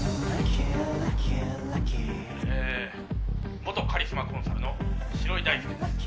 ええ元カリスマコンサルの城井大介です。